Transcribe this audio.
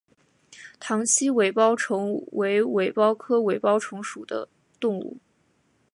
塘栖尾孢虫为尾孢科尾孢虫属的动物。